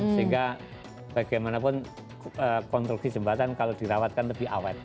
sehingga bagaimanapun konstruksi jembatan kalau dirawatkan lebih awet